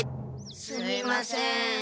すみません。